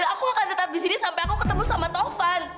aku mau pergi sampai aku ketemu sama taufan